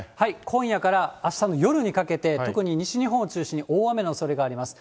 今夜からあしたの夜にかけて、特に西日本を中心に大雨のおそれがあります。